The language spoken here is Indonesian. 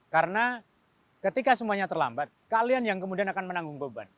karena ketika semuanya terlambat kalian yang kemudian akan menanggung beban